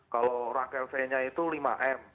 kalau rak lv nya itu lima m